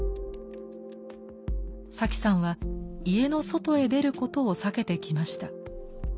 サキさんは「家の外へ出る」ことを避けてきました。